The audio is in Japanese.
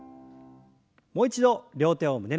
もう一度両手を胸の前に。